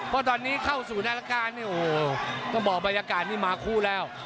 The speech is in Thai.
เพราะตอนนี้เข้าสู่ธารการต้องบอกบรรยากาศนี่มาคู่แล้ว